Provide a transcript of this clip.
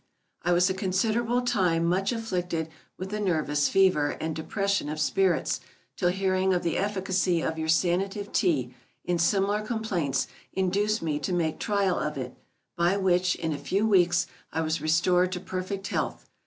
I was a considerable time much afflicted with a nervous fever and depression of spirits, till hearing of the efficacy of your Sanative Tea, in similar complaints, induced me to make trial of it by which, in a few weeks, I was restored to perfect health.